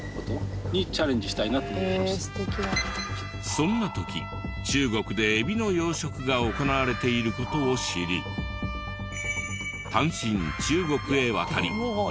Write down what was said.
そんな時中国でエビの養殖が行われている事を知り単身中国へ渡りノウハウを学んだ。